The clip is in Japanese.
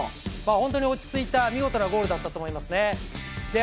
本当に落ち着いた見事なゴールだったと思いますね。